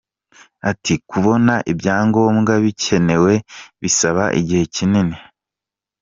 Ati” Kubona ibyangombwa bikenewe bisaba igihe kinini.